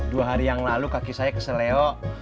dua hari yang lalu kaki saya kesel leo